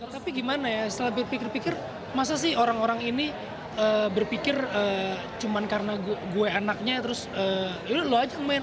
saya selalu berpikir pikir masa sih orang orang ini berpikir cuma karena gue anaknya terus lo aja main